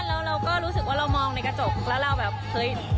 แล้วเราก็รู้สึกว่าเรามองในกระจกแล้วเราแบบเฮ้ย